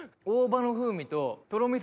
大葉の風味ととろ